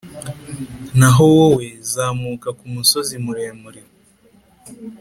Naho wowe, zamuka ku musozi muremure,